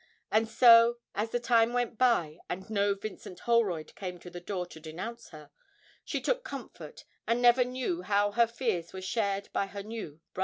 And so, as the time went by, and no Vincent Holroyd came to the door to denounce her, she took comfort and never knew how her fears were shared by her new brother in law.